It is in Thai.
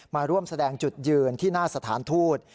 มาร่วมแสดงจุดยืนที่หน้าสถานทูต